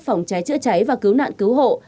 phòng cháy chữa cháy và cứu nạn cứu hộ